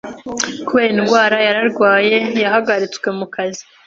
kubera indwara yararwaye yahagaritswe mukazi